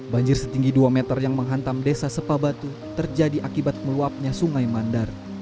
banjir setinggi dua meter yang menghantam desa sepabatu terjadi akibat meluapnya sungai mandar